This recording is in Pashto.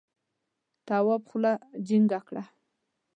تواب خوله جینگه کړه.